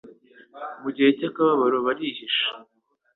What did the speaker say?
Mu gihe cy'akababaro barihisha